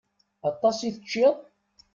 Aṭas i teččiḍ?